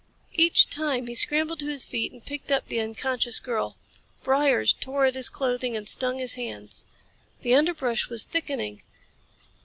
Each time he scrambled to his feet and picked up the unconscious girl. Briars tore at his clothing and stung his hands. The underbrush was thickening.